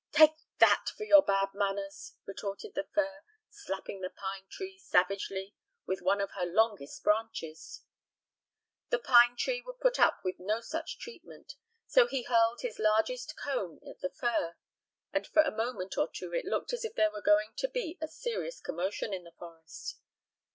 "Take that for your bad manners," retorted the fir, slapping the pine tree savagely with one of her longest branches. The pine tree would put up with no such treatment, so he hurled his largest cone at the fir; and for a moment or two it looked as if there were going to be a serious commotion in the forest.